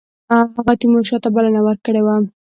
هغه تیمورشاه ته بلنه ورکړې وه.